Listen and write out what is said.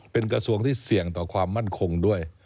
เป็นกระทรวงที่เสี่ยงต่อความมั่นคงด้วย